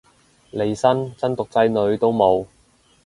利申真毒仔女都冇